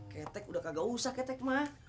ketek udah kagak usah ketek mah